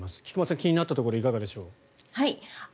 菊間さん、気になったところいかがでしょう。